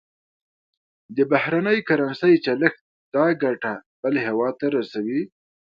د بهرنۍ کرنسۍ چلښت دا ګټه بل هېواد ته رسوي.